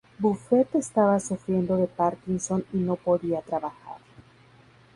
Buffet estaba sufriendo de Parkinson y no podía trabajar.